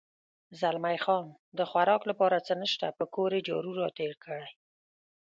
زلمی خان: د خوراک لپاره څه نشته، پر کور یې جارو را تېر کړی.